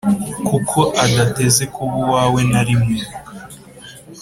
kuko adateze kuba uwawe narimwe